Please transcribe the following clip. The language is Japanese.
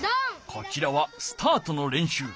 こちらはスタートのれんしゅう。